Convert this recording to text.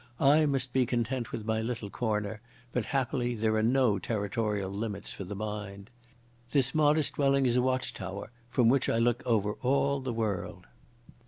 I must be content with my little corner, but happily there are no territorial limits for the mind. This modest dwelling is a watch tower from which I look over all the world."